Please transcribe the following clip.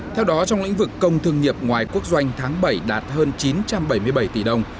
theo đó trong lĩnh vực công thương nghiệp ngoài quốc doanh tháng bảy đạt hơn chín trăm bảy mươi bảy tỷ đồng